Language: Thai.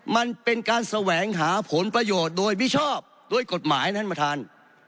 มันเป็นการแสวงหาผลประโยชน์โดยมิชอบด้วยกฎหมายท่านประธาน